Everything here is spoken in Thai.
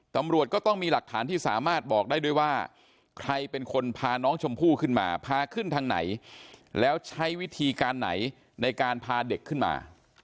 ตำรวจก็ต้องมีหลักฐานที่สามารถบอกได้ด้วยว่าใครเป็นคนพาน้องชมพู่ขึ้นมาพาขึ้นทางไหนแล้วใช้วิธีการไหนในการพาเด็กขึ้นมา